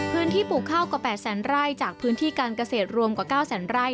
ปลูกข้าวกว่า๘แสนไร่จากพื้นที่การเกษตรรวมกว่า๙แสนไร่